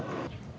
trụ sở mới